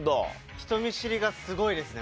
人見知りがすごいですね